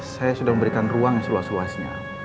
saya sudah memberikan ruang yang seluas luasnya